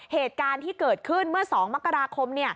เหตุการณ์ที่เกิดขึ้นเมื่อ๒มกราคม